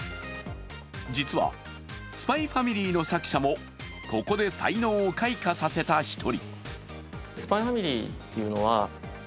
実は「ＳＰＹ×ＦＡＭＩＬＹ」の作者もここで才能を開花させた１人。